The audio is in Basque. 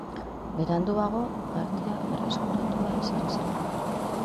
Beranduago, uhartea berreskuratua izan zen.